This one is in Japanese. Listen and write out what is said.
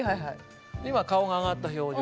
今顔が上がった表情。